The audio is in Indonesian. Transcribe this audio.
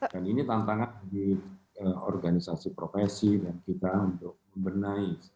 dan ini tantangan di organisasi profesi dan kita untuk membenahi